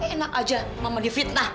enak aja mama di fitnah